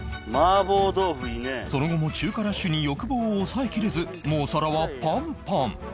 その後も中華ラッシュに欲望を抑えきれずもう皿はパンパン